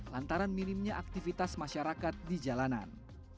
lantaran minimnya aktivitas masyarakat di jalanan